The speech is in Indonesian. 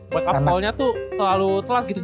wake up callnya tuh selalu telat gitu